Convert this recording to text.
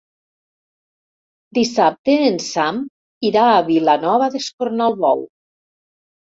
Dissabte en Sam irà a Vilanova d'Escornalbou.